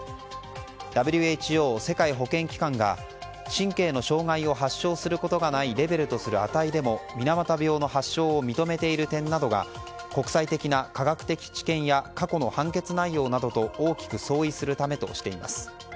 ＷＨＯ・世界保健機関が神経の障害を発症することがないレベルとする値でも水俣病の発症を認めている点などが国際的な科学的知見や過去の判決内容などと大きく相違するためとしています。